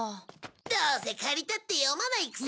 どうせ借りたって読まないくせに。